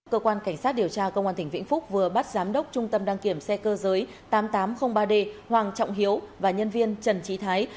cơ quan cảnh sát điều tra công an tỉnh vĩnh phúc vừa bắt giám đốc trung tâm đăng kiểm xe cơ giới tám nghìn tám trăm linh ba d hoàng trọng hiếu và nhân viên trần trí thái